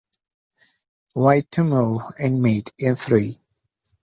White to move and mate in three.